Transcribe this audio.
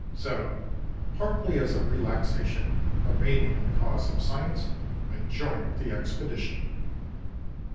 So, partly as a relaxation, but mainly in the cause of science, I joined the expedition.